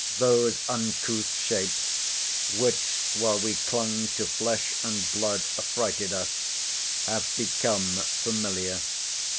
Those uncouth shapes, which, while we clung to flesh and blood, affrighted us, have become familiar.